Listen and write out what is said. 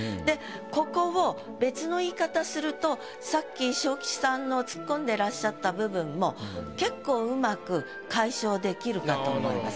ここを別の言い方するとさっき昇吉さんの突っ込んでらっしゃった部分も結構うまく解消できるかと思います。